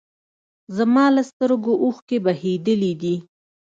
زما له سترګو اوښکې بهېدلي دي